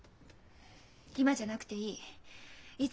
「今じゃなくていい。